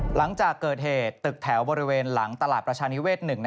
หลังจากเกิดเหตุตึกแถวบริเวณหลังตลาดประชานิเวศ๑